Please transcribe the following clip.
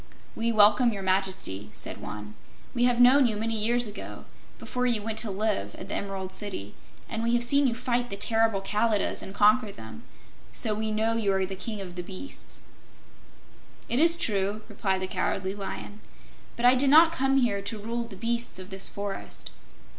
"We welcome Your Majesty," said one. "We have known you many years ago, before you went to live at the Emerald City, and we have seen you fight the terrible Kalidahs and conquer them, so we know you are the King of all Beasts." "It is true," replied the Cowardly Lion; "but I did not come here to rule the beasts of this forest.